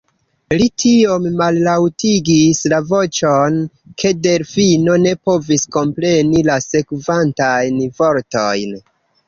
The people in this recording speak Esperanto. Li tiom mallaŭtigis la voĉon, ke Delfino ne povis kompreni la sekvantajn vortojn.